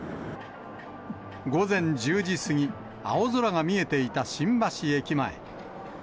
午前１０時過ぎ、青空が見えていた新橋駅前。